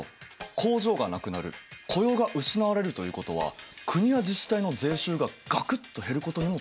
工場がなくなる雇用が失われるということは国や自治体の税収がガクッと減ることにもつながる。